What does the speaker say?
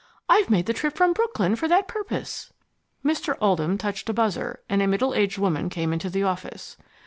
I've made the trip from Brooklyn for that purpose." Mr. Oldham touched a buzzer, and a middle aged woman came into the office.